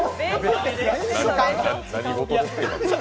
何事ですか。